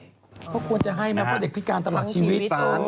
พวกควรจะให้ไหมครับเพราะว่าเด็กพิการตลอดชีวิต